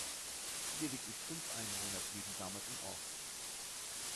Lediglich fünf Einwohner blieben damals im Ort.